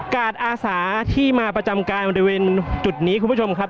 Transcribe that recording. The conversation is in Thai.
อาสาที่มาประจำกายบริเวณจุดนี้คุณผู้ชมครับ